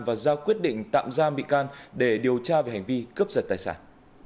và ra quyết định tạm giam bị can để điều tra về hành vi cướp giật tài sản